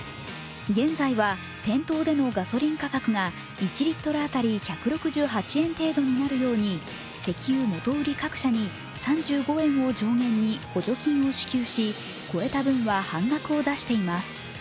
現在は、店頭でのガソリン価格が１６８円程度になるように石油元売り各社に３５円を上限に補助金を支給し、超えた分は半額を出しています。